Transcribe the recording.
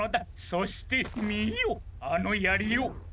そしてみよあのやりを！